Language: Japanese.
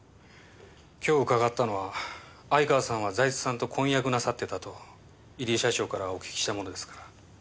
今日伺ったのは相川さんは財津さんと婚約なさっていたと入江社長からお聞きしたものですから。